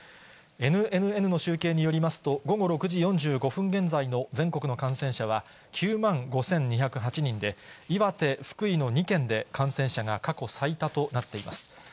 ＮＮＮの集計によりますと、午後６時４５分現在の全国の感染者は、９万５２０８人で、岩手、福井の２県で感染者が過去最多となっています。